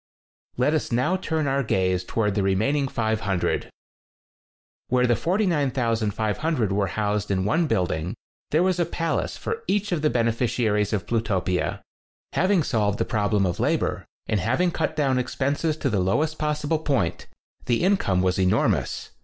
Let us now turn our gaze towards the re maining 500. Where the 49,500 were housed in one building, there was a palace for each of the beneficiaries of Plutopia. Having solved the problem of labor, and having cut down expenses to the lowest possible point, the income was enormous.